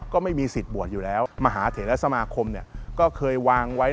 ก็ไม่มีสิทธิ์บวชอยู่แล้วมหาเถระสมาคมก็เคยวางไว้